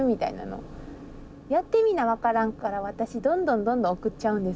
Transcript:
やってみな分からんから私どんどんどんどん送っちゃうんですよね。